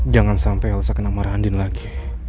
jangan sampai elsa kena marah andin lagi